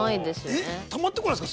えったまってこないですか？